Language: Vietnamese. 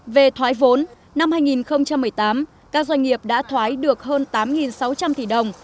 về thoái vốn năm hai nghìn một mươi tám các doanh nghiệp đã thoái được hơn tám sáu trăm linh tỷ đồng